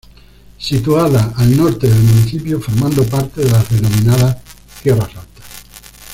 Situada al norte del municipio, formando parte de las denominadas "Tierras Altas".